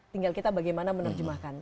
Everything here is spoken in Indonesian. tinggal kita bagaimana menerjemahkan